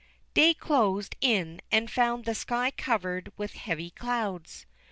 Day closed in and found the sky covered with heavy clouds.